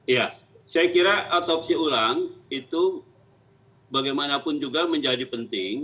ya saya kira otopsi ulang itu bagaimanapun juga menjadi penting